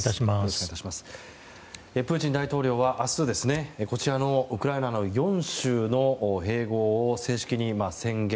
プーチン大統領は明日こちらのウクライナの４州の併合を正式に宣言。